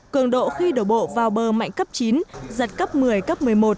cường độ khi đổ bộ vào bờ mạnh cấp chín giật cấp một mươi cấp một mươi một